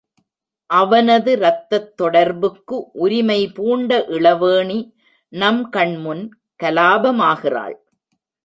அவனது ரத்தத் தொடர்புக்கு உரிமை பூண்ட இளவேணி நம் கண்முன் கலாபமாகிறாள்.